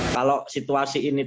kalau situasi ini tidak